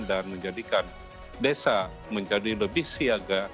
dan menjadikan desa menjadi lebih siaga